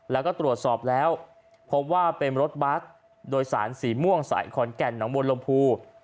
แล้วก็ตรวจสอบแล้วพบว่าเป็นรถบัสโดยสารสีม่วงสายขอนแก่นหนองบวนลมภู